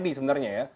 bang edi sebenarnya ya